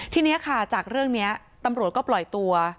ทีนี้ค่ะจากเรื่องนี้ตำรวจก็ปล่อยตัว